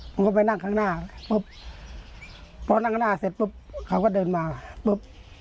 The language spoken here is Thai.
ผมก็ไปนั่งข้างหน้าปุ๊บพอนั่งข้างหน้าเสร็จปุ๊บเขาก็เดินมาปุ๊บ